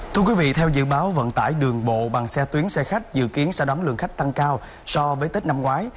thưa quý vị theo dự báo vận tải đường bộ bằng xe tuyến xe khách dự kiến sẽ đón lượng khách tăng cao so với tết năm ngoái